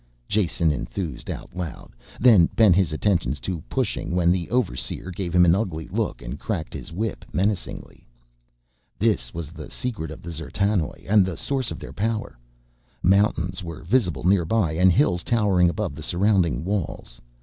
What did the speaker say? Jason enthused out loud, then bent his attentions to pushing when the overseer gave him an ugly look and cracked his whip menacingly. This was the secret of the D'zertanoj, and the source of their power. Mountains were visible nearby, and hills, towering above the surrounding walls.